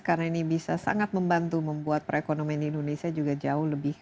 karena ini bisa sangat membantu membuat perekonomian di indonesia juga jauh lebih